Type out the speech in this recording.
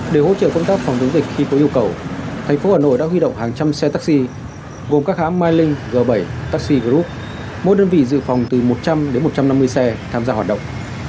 để hỗ trợ công tác phòng chống dịch khi có yêu cầu tp hcm đã huy động hàng trăm xe taxi gồm các hãm mylink g bảy taxi group mỗi đơn vị dự phòng từ một trăm linh đến một trăm năm mươi xe tham gia hoạt động